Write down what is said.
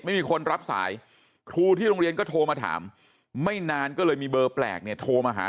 ไม่มีคนรับสายครูที่โรงเรียนก็โทรมาถามไม่นานก็เลยมีเบอร์แปลกเนี่ยโทรมาหา